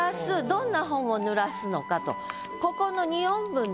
どんな本を濡らすのかと。